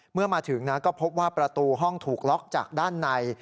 เมื่อมาถึงนะก็พบว่าประตูห้องถูกล็อกจากด้านใน